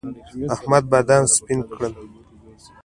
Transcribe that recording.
احمد بادام سپين کړل.